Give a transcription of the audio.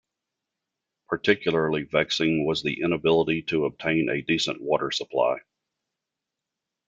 Particularly vexing was the inability to obtain a decent water supply.